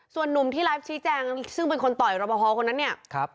ส่วนนุ่มที่ไลฟ์ชี้แจงซึ่งเป็นคนต่อยรบพอคนนั้นเนี่ย